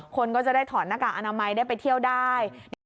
คนก็จะได้ถอดหน้ากากอนามัยได้ไปเที่ยวได้